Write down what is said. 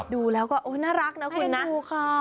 ดูแล้วก็โอ้น่ารักนะคุณนะ